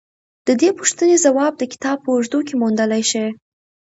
د دې پوښتنې ځواب د کتاب په اوږدو کې موندلای شئ